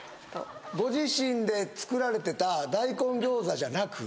ご自身で作られてた大根餃子じゃなく？